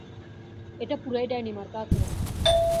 এটা পুরাই ডাইনি মার্কা আচরণ।